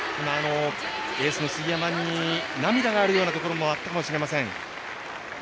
エースの杉山に涙があるようなところもあったかもしれません。